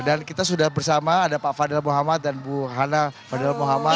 dan kita sudah bersama ada pak fadel muhammad dan bu hana fadel muhammad